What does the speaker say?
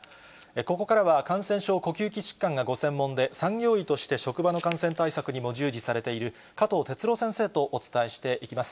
ここからは感染症呼吸器疾患がご専門で、産業医として職場の感染対策にも従事されている加藤哲朗先生とお伝えしていきます。